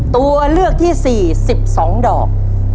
ตัวเลือกที่๔๑๒ดอก